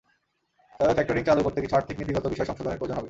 তবে ফ্যাক্টরিং চালু করতে কিছু আর্থিক নীতিগত বিষয় সংশোধনের প্রয়োজন হবে।